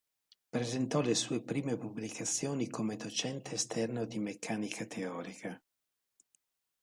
Presentò le sue prime pubblicazioni come docente esterno di Meccanica Teorica.